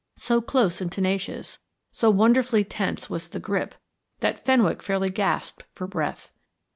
So close and tenacious, so wonderfully tense was the grip, that Fenwick fairly gasped for breath.